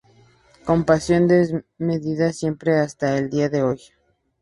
Con pasión desmedida siempre, hasta el día de hoy.